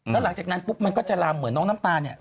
แล้วหลังจากนั้นปุ๊บมันก็จะลำเหมือนน้องน้ำตาลเนี่ย